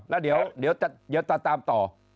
แล้วเดี๋ยวต่างต่อ